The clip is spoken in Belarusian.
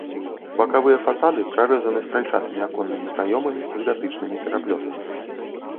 Бакавыя фасады прарэзаны стральчатымі аконнымі праёмамі з гатычнымі пераплётамі.